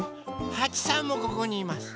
はちさんもここにいます。